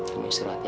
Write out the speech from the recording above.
kamu istirahat ya